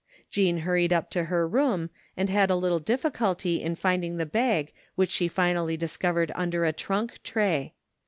Jean hurried up to her room and had a little diffi culty in finding the bag which she finally discovered under a trunk tray.